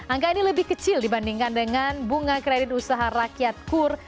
angka ini lebih kecil dibandingkan dengan bunga kredit usaha rakyat kur